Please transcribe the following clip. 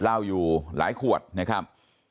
เหล้าอยู่หลายขวดนะครับ